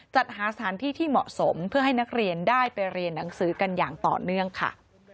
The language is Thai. จัดหาสถานที่ที่เหมาะสมเพื่อให้นักเรียนได้ไปเรียนหนังสือกันอย่างต่อเนื่องค่ะ